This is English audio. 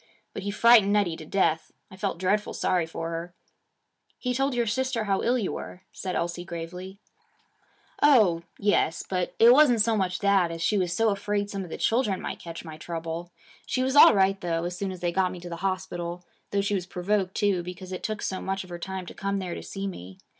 But he frightened Nettie to death. I felt dreadfully sorry for her.' 'He told your sister how ill you were,' said Elsie gravely. 'Oh, yes. But it wasn't so much that, as she was so afraid some of the children might catch my trouble. She was all right though as soon as they got me to the hospital, though she was provoked too, because it took so much of her time to come there to see me.